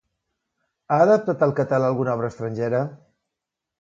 Ha adaptat al català alguna obra estrangera?